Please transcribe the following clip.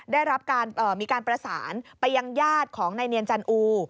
ได้รับการมีการประสานไปยังญาติของนายเนียนจันอู